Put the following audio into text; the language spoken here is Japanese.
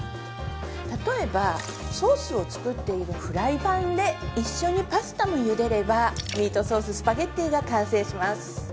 例えばソースを作っているフライパンで一緒にパスタも茹でればミートソーススパゲティが完成します